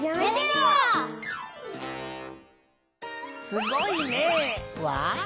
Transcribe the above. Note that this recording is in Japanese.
「すごいね」は？